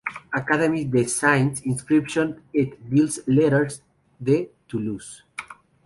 Academie des Sciences, Inscriptions et Belles-Lettres de Toulouse" iii.